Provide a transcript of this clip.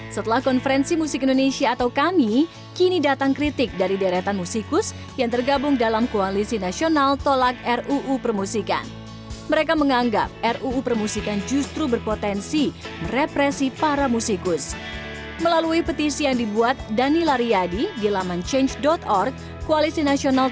setelah konferensi musik ruu permusikan menolak ruu permusikan